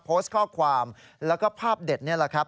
โพสต์ข้อความแล้วก็ภาพเด็ดนี่แหละครับ